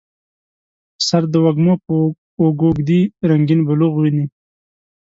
سر د وږمو په اوږو ږدي رنګیین بلوغ ویني